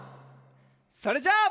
それじゃあ。